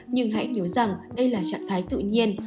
nhưng hãy nhớ rằng đây là trạng thái tự nhiên